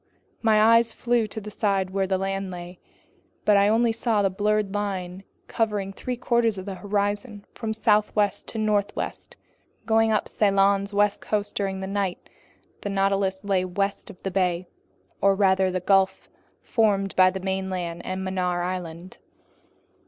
My eyes flew to the side where land lay, but I saw only a blurred line covering three quarters of the horizon from southwest to northwest. Going up Ceylon's west coast during the night, the Nautilus lay west of the bay, or rather that gulf formed by the mainland and Mannar Island.